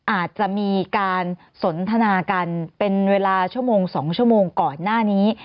อาจจะมีการสนทนากันเป็นเวลาชั่วโมง๒ชั่วโมงก่อนหน้านี้